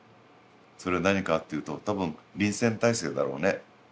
それは何かっていうと多分臨戦態勢だろうね。